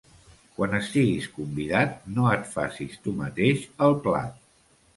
Quan estiguis convidat no et facis tu mateix el plat.